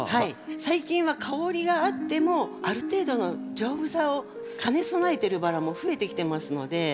最近は香りがあってもある程度の丈夫さを兼ね備えてるバラも増えてきてますので。